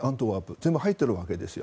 全部入っているわけですよ。